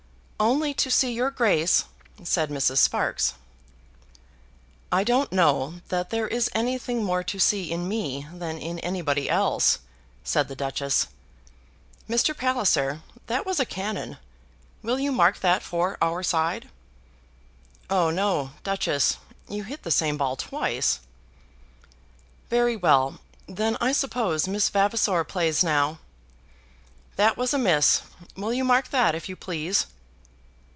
"Only to see your Grace," said Mrs. Sparkes. "I don't know that there is anything more to see in me than in anybody else," said the Duchess. "Mr. Palliser, that was a cannon. Will you mark that for our side?" [Illustration: "Mr. Palliser, that was a cannon."] "Oh no, Duchess, you hit the same ball twice." "Very well; then I suppose Miss Vavasor plays now. That was a miss. Will you mark that, if you please?"